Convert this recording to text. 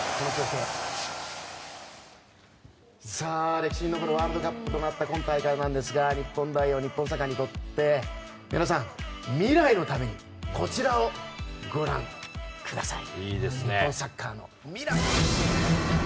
歴史に残るワールドカップとなった今大会ですが日本代表、日本サッカーにとって未来のためにこちらをご覧ください。